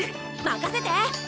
任せて！